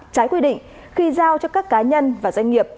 trái quy định khi giao cho các cá nhân và doanh nghiệp